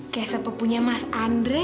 kayak sepepunya mas andre